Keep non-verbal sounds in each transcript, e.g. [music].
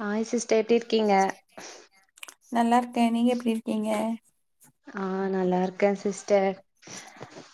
Hi sister எப்டி இருக்கீங்க? நல்லா இருக்கே நீங்க எப்படி இருக்கீங்க? ஆஹ் நல்லா இருக்கே சிஸ்டர்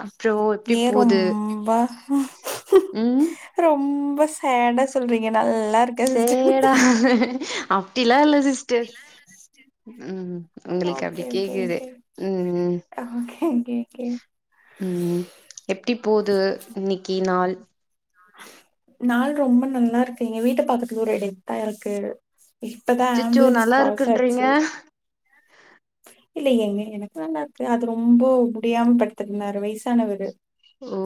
அப்றோ எப்டி ஏன் போது ரொம்ப ரொம்ப ம் ரொம்ப சேடா சொல்றீங்க நல்லா இருக்கே சிஸ்டர் சேடா அப்டிலா இல்ல உம் உம் உங்களுக்கு அப்டி ஓகே ஓகே கேக்குது ஓகே உம் உம் ஓகே ஓகே ஓகே உம் எப்டி போது இன்னிக்கி நாள் நாள் ரொம்ப நல்லாருக்கு எங்க வீட்டு பாக்கத்துல ஒரு [unintelligible] இருக்கு இப்பதா அச்சச்சோ ஆம்புலன்ஸ் நல்லா கிராஸ் இருக்குன்றீங்க இல்லைங்க இல்லைங்க எனக்குலா நல்லாருக்கு அது ரொம்ப முடியாம படுத்து‌‌ இருந்தாரு வயசானவரு ஓ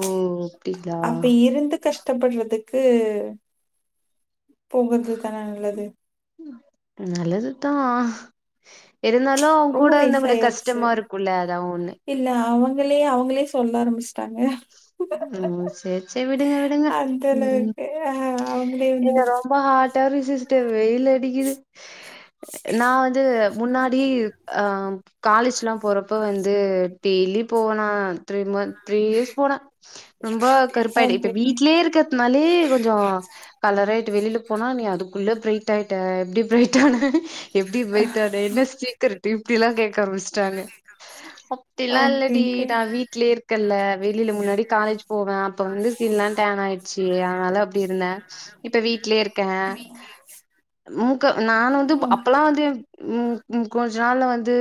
அப்டீங்களா அப்ப இருந்து கஷ்டப்படுறதுக்கு போகறது தானே நல்லது நல்லது தா இருந்தாலும் ரொம்ப அவுங்கக்கூட இருந்தங்களுக்கு வயசாயாச்சு கஷ்டமா இருக்குல்ல அதா ஒன்னு இல்ல அவங்களே அவங்களே சொல்ல ஆரம்பிச்சு ட்டாங்க ம் சேரி சேரி விடுங்க விடுங்க அந்த ம் அளவுக்கு அவுங்களே ஏங்க வந்துருச்சு ரொம்ப [unintelligible] சிஸ்டர் வெயில் அடிக்கிது நா வந்து முன்னாடி அஹ் காலேஜ்லா போறப்போ வந்து டெய்லி போவனா செரிமா த்ரீயியேர்ஸ் ரொம்ப கருப்பாய்ட்டே இப்ப ஓகே வீட்லயே இருக்கறதுனாலே கொஞ்சோ கலராயிட்டு வெளில போனா நீ அதுக்குள்ள இவ்வளோ ப்ரைட்டாயிட்டா எப்டி ப்ரைட்டானே எப்டி ப்ரைட்டான என்ன சீக்ரட்டு இப்டிலா கேக்க ஆரம்பிச்சிட்டாங்க அப்டிலா ஓகே இல்லடி ஓகே நா வீட்லயே இருக்கன்ல வெளியில முன்னாடி காலேஜ் போவே அப்ப வந்து ஸ்கின்லா டேன் ஆயிடுச்சு அதனால அப்டி இருந்தே இப்ப வீட்லயே இருக்கே ம் க்கு நா வந்து ம் அப்பல்லா வந்து ம் ம் கொஞ்ச நாள்ல வந்து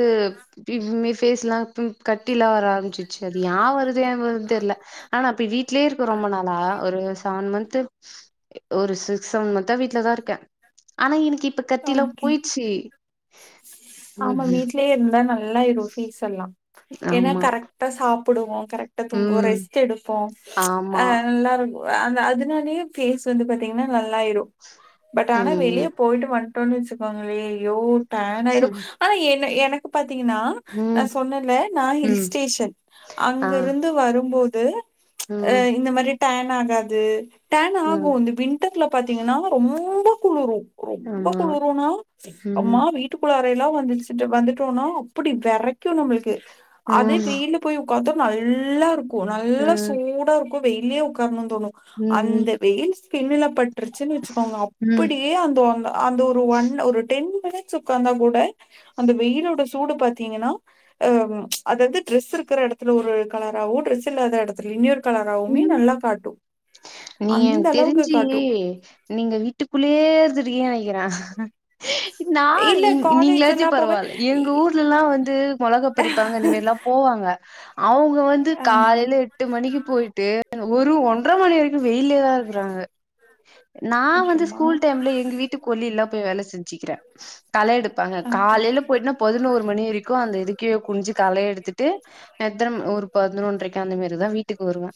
ஃபிப் ஃபேஸ்லா பிம் கட்டிலா வர ஆரம்பிச்சு ச்சரியா வருது [unintelligible] தெர்ல ஆனா அப்ப வீட்லயே இருக்கோ ரொம்ப நாளா ஒரு செவன் மன்ந்த் து ஒரு சிக் செவன் மன்த்தா வீட்ல தா இருக்கே ஆனா எனக்கு இப்ப கத்திலா ஓகே போயிச்சு ஆமா வீட்லேயே இருந்தா நா ல்லாயிரு ஃபேஸ் எல்லா ஏன்னா ஆமா. கரெக்ட்டா சாப் ப்புடுவோ கரெக்ட்டா தூங்குவோ ம். ரெஸ்ட் எடுப்போம் ப்ச் ஆமா. அஹ் நல்லா இருக் அந்த அதனாலயே ஃபேஸ் வந்து பாத்தீங்கன்னா நல் லாயிரும் பட் ஆனா வெளிய ம். போயிட்டு வந் ன்னு வச்சுக்கோங்களே ஐயோ டேனாயிரு ஆனா என்ன என் னக்கு பாத் தீங்கன்னா நா ம். சொன்னேல்ல நா ஹில் ம். ஸ்டேஷன் ஆ. அங்க இருந்து வரும்போது து ப்ச் ம். எஹ் இந்த மாரி டேன் ஆகாது டேன் ஆகு ம். இந்த வின்டர்ல பாத்தீங்கன்னா ரொம்ப ப்பு வரு ரொம்ப ஆமா. குளுருனா ம். அம்மா வீட்டுக்குள்ள ப்பயல்லா வந்துச்சுட்டு வந்துட்டோனா அப்பிடி வெரைக்கு நம்பளுக்கு அதே ம். வெயில்ல போய் உக்காந்து நல்லா இருக்கு போ நல்லா ம். சூடா இருக் கு வெயில்லயே உக்காரணுன்னு தோணு ம். அந்த வெயில் ஸ்கின்னுல பட்டுருச்சுன்னு வச்சுக்கோங்க ம். அப்பிடியே அந்த அந்த ஒரு ஒன் டென் மினிட்ஸு உக்காந்தா கூ ட அந்த வெயிலோட சூடு பாத்தீங்கன்னா அ ப்ச் அதாது டிரெஸ் இருக்குற எடத்துல ஒரு கலராவு ட்ரெஸ் இல்லாத எடத்துல இனியொரு கலராவுமே நல்லா காட்டு நீ அந்த எனக்கு அளவுக்கு தெரிஞ்சி காட்டு நீங்க வீட்டுக்குள்ளேயே இருந்துட்டீங்கனு நென க்கிற நா இல்ல நீ காலேஜ் நீங்களாச்சு எல்லா போவே பரவால்ல எங்க ஊர்லலா வந்து மொளகா பறிப்பாங்க இந்த மெரில்லா போவாங்க அவங்க வந்து ஆ காலைல எட்டு மணிக்கு போயிட்டு ஒரு ஒன்ட்ர மணி வரைக்கு வெயிலேயேதா இருக்கறாங்க நா வந்து நிமிஷமா ஸ்கூல் டைம்ல எங்க வீட்டு கொல்லை ல போயி வேல செஞ்சிக்கிறே கள எடுப்பாங்க ஓகே காலைலே ஓகே போயிட்னா பதினோரு மணி விரிக்கோ அந்த இதுக்கே குன்ஞ்சு களை எடுத்துட்டு எத்தனம் ஒரு பதினொன்டறரைக்கு அந்த மேரிதா வீட்டுக் வருவே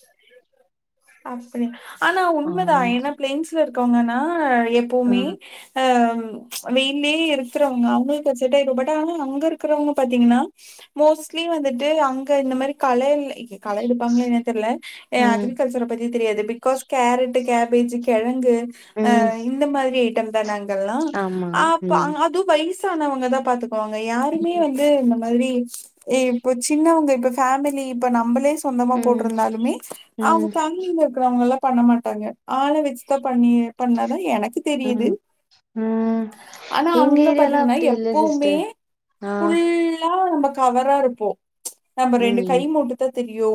அப்படி ஆனா உண்மதா ஏனா பிளைன்ஸ்ல இரு கோங்கனா எப்புமே ம். ஆம் ச்ச அந்த இன்னே இருக் கிருவங்க அவுங்குளுக்கு அது செட்டாயிடு பட் ஆனா அங்க இருக்கிறவங்க பாத்தீங்கனா மோஸ்ட்லி வந்துட்டு அங்க இந்த மாரி கள எல் [inaudible] கள எடுப்பாங்ளா எனான் தெர்லே ஏ ம். அக்ரிகல்ச்சர பத்தி தெரியாது பிக்காஸ் கேரட்டு கேபேஜு கெழ இங்கு ஆ ம். இந்த மாதிரி தம் தா நாங் கல்லா ஆமா ஆப்ப ம் அங் அது யிஸ்சானவங்கதா பாத்து போங்க யாருமே வந்து நம் மறுவுடி எ இப்ப சின்னவங்க இப்ப ஃபேமிலி இப்ப நம்பளே சொந்தமா ம் போட்டிருந்தாலுமே அவுங்க ம் ஃபேமிலிலே இருக்கிறவங்கெல்லா பண்ண மாட்டாங்க ஆள வெச்சிதா பண்ணி பண்ணாதா எனக்கு தெரியுது ம் ம் ஆனா எங்க அங்கப் ஏரியால பாத்தீங்கன்னா அப்டி இல்ல எப்பவுமே சிஸ்டர் ஆ ஃபுல்லா நம்பக் கவராருப்போ நம்ப ரெண்டு ம் கை மூட்டுத்தாத் தெரியு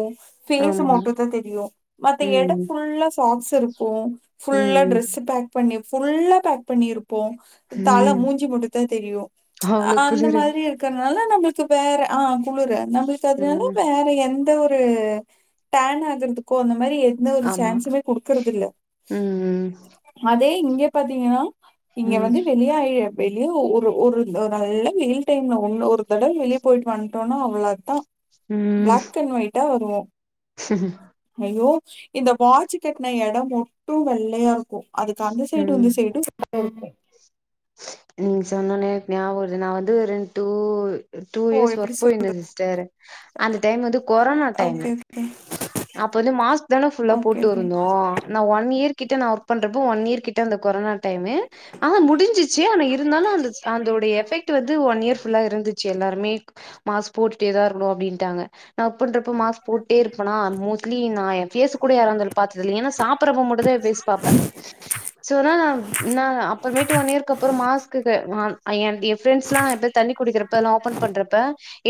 ஃபேஸு ஆமா மட்டூத்தா தெரியு மத்த ம் எடம் ஃபுல்லா சாக்ஸ் தெருப்போ ஃபுல்லா ம் ட்ரஸு பேக் பண்ணிப் ஃபுல்லா பேக் பண்ணிருப் போம் ம் தல மூஞ்சி மூட்டு த்தா தெரியு ப்ச் அவ்ளோ அந்த குளிரு மாரி இருக்கிறனால நம்மளுக்கு வேற ஆ குளுர நம்மளுக்கு அதுனால ம் வேற எந் த ஒரு டேன் ஆகுறதுக்கோ அந்த மாரி எந்த ஒரு ஆமா சான்ஸ்சுமே குடுக்கறதில்ல ம் அதே இங் ஏ பாத்தீங்கனா இங்க ம் வந்து வெளிய ஆயி வெ லியோ ஒரு ஒரு ந நல்ல வெயில் டைம்ல ஒன்னு ஒரு தடவ வெளிய போயிட்டு வந்டோனா அவ்ளோதா உம் டா வருவோ ஐய்யோ இந்த வாட்ச் கட்ன எடோ மொட்டோ வெள்ளயா ஒ அதுக்கு அந்த சைடோ ம் இந்த சைடோ ச்ச [inaudible] உம் சொன்னொன்னயே ஞாப வருது நா வந்து ரெண்டூ டூ ஓ இயர்ஸ் எப்படி ஒர்க் சொல்றது? போயிருந்த சிஸ்டர் அந்த டைம் வந்து கொரோனா டைம் ஓகே, ஓகே. அப்ப வந்து மாஸ்க் தான ஃபுல்லா ஓகே, ஓகே. போட்டுவிருந்தோ நா ஒன் இயர் கிட்ட ஒர்க் பண்றப்ப ஒன் இயர் கிட்ட அந்த கொரோனா டைம் ஆ முடிஞ்சி ச்சே ஆனா இருந்தாலூ அந்த அதோடய எஃபெக்ட் வந்து ஒன் இயர் ஃபுல்லா இருந்துச்சே எல்லாருமே மாஸ்க் போட்டுட்டேதா இருக்கணு அப்டின்டாங்க நா வொர்க் பண்றப்போ மாஸ்க் போட்டே இருப்பேனா மோஸ்ட்லி நா எ பேஸ் கூட யாரு அந்தளவு பாத்ததில்ல ஏன்னா சாப்பிடறப்ப மட்டுதா எ பேஸ் பாப்ப சோ அதனால நா என்னா அப்பமேட்டு ஒன் இயர் அதுக்கப்பறோ மாஸ்க்குக்கு நா எ பிரண்ட்ஸ்லா எப்யாது தண்ணி குடிக்கிறப்பெல்லா ஓபன் பண்றப்ப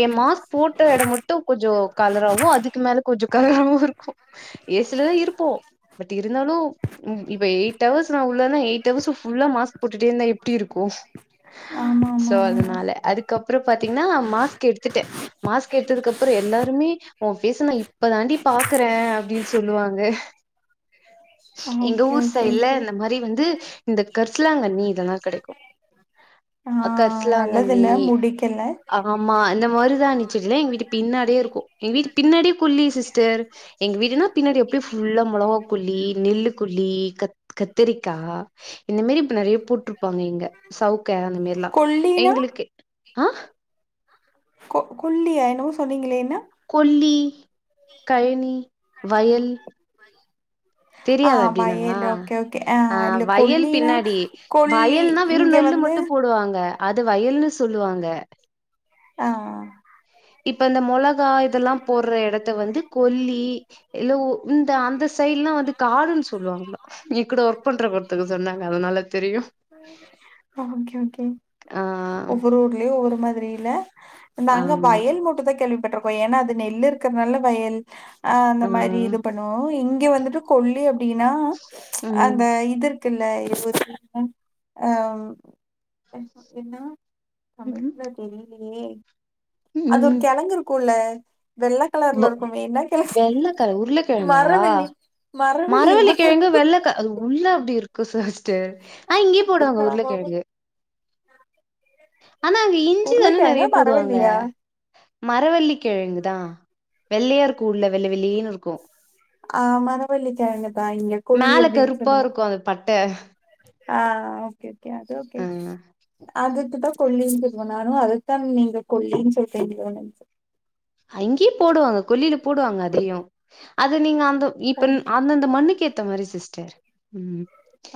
எ மாஸ்க் போட்ட எடம் மட்டு கொஞ்சோ கலராவு அதுக்கு மேல கொஞ்சோ கலராவு இருக்கு ஏ சி ல தா இருப்போ பட் இருந்தாலூ இப்ப எயிட் ஹவர்ஸ் நா உள்ளனா எயிட் ஹவர்ஸ் ஃபுல்லா மாஸ்க் போட்டுட்டே இருந்தா எப் எப்டி இருக்கு ஆமா, சோ ஆமா, ஆமா. அதனால அதுக்கப்பறோ பாத்தீங்னா மாஸ்க் எடுத்துட்ட மாஸ்க் எடுத்ததுக்கு அப்பறோ எல்லாருமே உன் பேஸ்ச நா இப்ப தாண்டி பாக்குற அப்படின்னு சொல்லுவாங்க எங்க ஓகே, ஊர் ஓகே, சைடுல ஓகே. இந்த மாரி வந்து இந்த கர்சலாங்கண்ணி இதெல்லா கெடைக்கு ஆ அ நல்லதில்ல, கர்சலாங்கண்ணி முடிக்கல. ஆமா இந்த மருதாணி செடியிலா எங்க வீட்டு பின்னாடியே இருக்கு எங்க வீட்டு பின்னாடியே குள்ளி சிஸ் டர் எங்க வீடுனா பின்னாடி அப்படியே ஃபுல்லா மொளகாப்புல்லி நெல்லுக்கு புளி கத் கத்திரி தா இந்த மாரி இப்ப நெறயா பூக்குது ப்பாங்க இங்க சவுக்க அந்த மாரிலா கொல்லினா? எங்களுக்கு ஆ கொ கொல்லியா என்னமோ சொன்னீங்களே என்ன? கொல்லி கயனி வயல் ஆ தெரியாத அப்டின்னா வயல். Okay, okay. ஆ இல்ல வயல் கொல்லினா, பின்னாடி கொல்லி வயல்னா வெறு இங்க நெல்லு வந்து மட்டு போடுவாங்க அது வயல்ன்னு சொல்லுவாங்க ஆ ஆ இப்ப இந்த மோலக் த்தா இதெல்லா போட்ற எடத் இத வந்து கொல்லி இல்ல இந்த அந்த சைடலா வந்து காடுன்னு சொல்லுவாங்க நீ கூட ஒரு லவ் பண்ற ஒருத்தவங்க் சொன்னாங்க அதனால தெரியும் ஓ ஓகே ஓகே ஆ ஒவ்வொரு ஊர்லயு ஒவ்வொரு மாரி புரியில நாங்க ஆமா வயல் மட்டு தா கேள்விப்பட்றோ இப்ப ஏனா அது நெல்லு இருக்கனால வயல் அ அந்த ஆ மாரி இது பண்ணுவோ இங்க வந்துட்டு கொல்லி அப்படின்னா ம் அந்த இது இல்ல இரு [inaudible] அஹம் என்ன ம் தமிழ்லே தெறி ஏ அது ஒரு கெழங்கு இருக்குல்ல வெள்ள கலர்ல ஒவ் இருக்குமே என்ன கெழங்கு வெள்ளக்காய் உருளக்கெழங்கா மரவள்ளி மரவள்ளி மரவெள்ளி கெழங்கு வெள்ளக் க அது உள்ள அப்டி இருக்கு குஷஜ் ஆ இங்கயே போடுவாங்க மரவள்ளி உருளகெழங்கு ஆனா அங்க இஞ்சிதானே உருளைக்கிழங்கா நெறைய போடுவாங்க மரவள்ளியா? மரவெள்ளிக்கெழங்குதா வெள்ளையா இருக்குல வெள்ள வெளேனு இருக்கு ஆ மரவெள்ளிக்கெழங்கு மேல கருப்பா இருக்கு அந்த பட்ட ஆ ஓகே ஓகே அது ஓகே ஆ அதுக்கு தா கொல்லின்னு சொல்லுவோ நானு அதத்தா நீங்க கொல்லின்னு சொல்றிங்கலோனு நினச்சே அங்கேயே போடுவாங்க கொல்லில போடுவாங்க அதையு அது நீங்க அந் து இப்ப அந்தந்த மண்ணுக்கு எத் த மாரி சிஸ்டர் உம்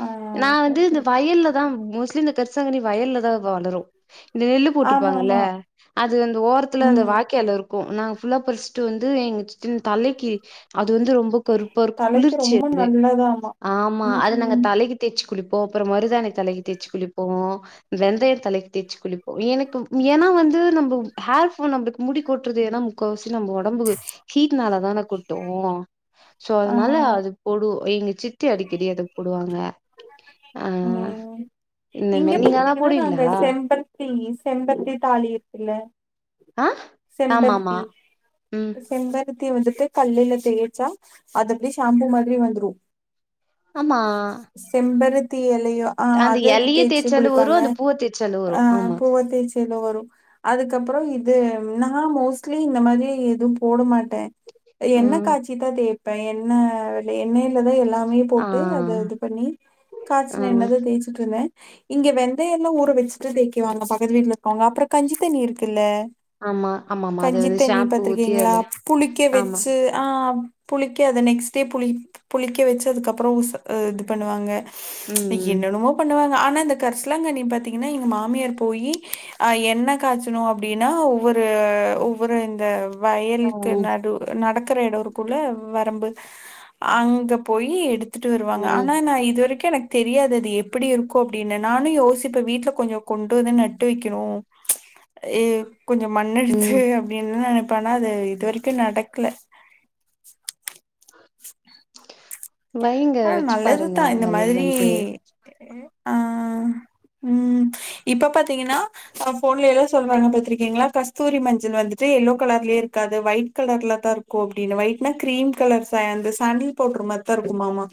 ஆ நா ஓகே வந்து ஓகே இந்த ஓகே வயல்லதா மோஸ்லி இந்த கரிசலாங்கனி வயல்லதா வளரு இந்த நெல்லு ஆமா போட்டுப்பாங்கல்ல ஆமா அது அந்த ஓரத்துல அந்த ம் வாய்க்கால இருக் கூ நாங்க ஃபுல்லா பறிச்சுட்டு வந்து எங்க சின் தலைக்கு அது வந்து ரொம் பகொருபோர்க் தலைக்கு குளிர்ச்சி ரொம்ப அது நல்லதாமா ஆமா அத நாங்க ம் தலைக்கு தேச்சு குளிப்போ அப்றோ மருதாணி தலைக் தேச்சு குளிப்போ வெந்தயோ தலைக்கு தேச்சு குளிப்போ எனக்கு ஏனா வந்து நம் ஹேர்ஃபா நமக்கு முடி கொட்டுறது ஏனா முக்காவாஸ் நம்ம ஒடம்புக்கு ஹீட்னால தான கொட்டோ சோ அதனால ஆமா ஆமா அது போடு எங்க சித்தி அடிக்கடி அதப் போடுவாங்க ஆ ம் இந்த இங்க மாரி நீங்கலாம் பாத்தீங்கனா போடுவீங்களா? நாங்க செம்பர்த் தி செம்பர்த்தி தாலி இருக்குல ஆ ஆமாமா. செம்பருத்தி ம். செம்பருத்தி வந்துட் து கல்லுல தேச்சா அது அப்டி ஷாம்பு மாத்ரி வந்துரூ ஆமா. செம்பருத் தி எல் லயூ ஆ அந்த அத இலைய தேச்சு தேய்ச்சாலும் குளிப்பாங்க வரும். அந்த பூவ தேய்ச்சாலும் ஆ வரும். ஆமா. பூவ தேச்சி எதோ வரூ அதுக்கப்றோ து நா மோஸ்ட்லி இந்த மாரி எதூம் போட மாட் டே எண்ண ம். காச்சிதா தேய்ப் பே எண்ண லே எண்ணயிலதா எல்லாத் மே ஆ. போட்டு அத இது பண்ணி ஆ. காச்சுன எண்ணதா தேச்சுட்டுருந்தே இங்க வெந்தயந்தா ஊற வெச்சுட்டு தேக்குறாங்க பக்கத்து வீட்லருக்கவுங்க அப்றோ கஞ்சித்தண்ணி இருக்குல்ல ஆமா, ஆமாமா. அது வந்து கஞ்சித்தண்ணி ஷாம்பு ஊத்தி பாத்திருக்கீங்களா அதுல புளிக்க ஆமா. வெச்சு ஆ புளிக்க அத நெக்ஸ்ட் டே புளி புளிக்க வெச்சு அதுக்கப்றோ உஸ் இது பண்ணுவாங்க ம். என்னன்னமோ பண்ணுவாங்க ஆனாத் இந்ந கர்சலாங்கண்ணி பாத்தீங்கன்னா எங்க மாமியார் போயி அ எண்ணெ காச்சனோ அப்டீனா ஒவ்வொரு ஒவ்வொரு இந்தப் ஆ. வயலுக்கு நடு நடக்கற எடோ இருக்கோல வரம்பு அங்க போய் எடுத் துட்டு வருவாங்க ம். ஆனா நா இதுவரீக் எனக்கு தெரியாது அது எப்படி இருக்கூ அப்டின்னு நானோ யோசிப்ப வீட்ல கொஞ்சோ கொண்டு வந்து நட்டு வெக்கணூ அ கொஞ்ச மண்ணெடுத்து ம். அப்டின் நெனப் ப ஆனா அது இதுவரைக்கோ நடக்கல வைங்க ஆ வச்சு பாருங்க நல்லதுதா இந்த மாதிரி வளருதான்ட்டு. ஆ ம் இப்ப பாத்தீங்கனா ச ஃபோன்ல எல்லா சொல்றாங்க பாத்திருக்கீங்களா கஸ்தூரி மஞ்சள் வந்துட்டு யெல்லோ கலர்லயே இருக்காது வைட் கலர்ல தா இருக்கோ அப்டின்னு வைட்னா க்ரீம் கலர் சாண்ட் அந்த சாண்டில் பவுடர் மாரிதா இருக்குமா ஆமா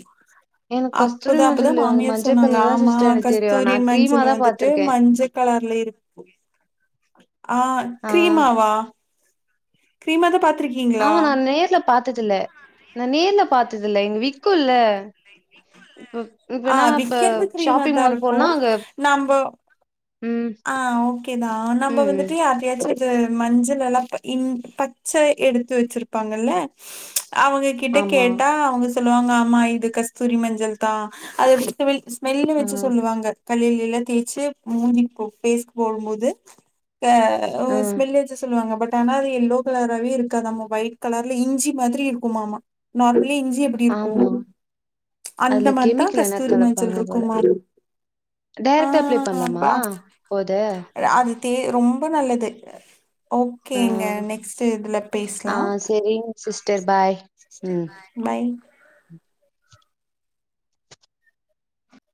எனக்கு கஸ்தூரி அப்பதா அப்பதா மஞ்சள் அந்த மாமியார் மஞ்சள் சொன்னாங்க கலர் தான் ஆமா சிஸ்டர் எனக்கு தெரியும். கஸ்தூரி நான் கிரீமா மஞ்சள் தான் வந்துட்டு பார்த்துருக்கேன். மஞ்சக் கலர்ல இருக்கும் ஆ ஆ கிரீமாவா க்ரீமா த பாத் ஆமா நா நேர்ல பாத் பாத்ததுல்ல நா நேர்ல பாத்துல்ல எங்க வீட் க்குல்ல ஆ விக்கிறது கிரீம ஷாப்பிங் தா மால் இருக்கோ போனா அங்க நாம்போ ம். ஆ ஓகேதா ம். நம்ம ம். வந்துட்டு யார்ட்யாச்சு அது மஞ்சளெலா ப இஞ் பச்ச எடுத்து வெச்சிருப்பாங்கல்ல அவுங்க கிட்ட ஆமா. கேட்டா அவுங்க சொல்லுவாங்க ஆமா இது கஸ்தூரி மஞ்சள் தா அ [unintelligible] மெல்ல ஆ. வெச்சு சொல்லுவாங்க கல்லுலேலா தேச்சு மூதி ஓ பேஸ் போடும் போது த ஆ. ஸ்மெல் வெச்சு சொல்லுவாங்க பட் அது எல்லோ கலராவே இருக்காது ஒயிட் கலர்ல இஞ்சி மாதிரி இருக்குமாமா நார்மலி இஞ்சி இஞ்சி எப்டி இருக்கோ ஆமா. அந்த அதுல மாதிரிதா கெமிக்கல் எதனா கஸ்தூரி மஞ்சள் கலப்பாங்க போல. இருக்குமா அ டைரக்ட்டா அப்ளை பண்ணலாமா? போத. அதித் தே ரொம் ரொம்ப நல்லது ஆ. ஓகேங்க நெக்ஸ்ட் இதுல ஆ பேசலா சரிங்க சிஸ்டர் பாய். ம். பை